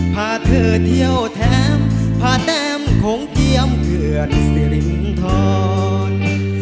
พาเธอเที่ยวแถมพาแต้มโขงเจียมเขื่อนสิรินทร